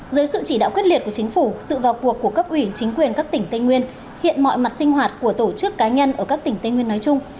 dưới sự chỉ đạo quyết liệt của chính phủ sự vào cuộc của cấp ủy chính quyền các tỉnh tây nguyên hiện mọi mặt sinh hoạt của tổ chức cá nhân ở các tỉnh tây nguyên nói chung